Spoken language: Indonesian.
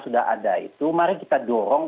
sudah ada itu mari kita dorong